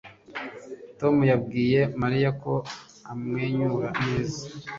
Tom yabwiye Mariya ko amwenyura neza